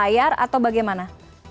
berlayar atau bagaimana